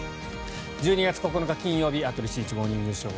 １２月９日、金曜日「羽鳥慎一モーニングショー」。